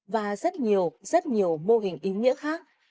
và rất nhiều rất nhiều mô hình ý nghĩa khác